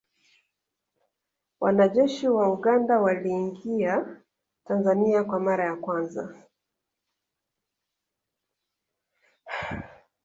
Wanajeshi wa Uganda waliingia Tanzania kwa mara ya kwanza